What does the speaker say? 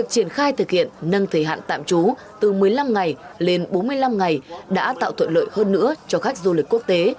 triển khai thực hiện nâng thời hạn tạm trú từ một mươi năm ngày lên bốn mươi năm ngày đã tạo thuận lợi hơn nữa cho khách du lịch quốc tế